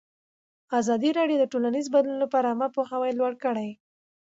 ازادي راډیو د ټولنیز بدلون لپاره عامه پوهاوي لوړ کړی.